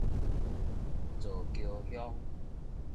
造橋鄉